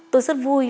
tôi rất vui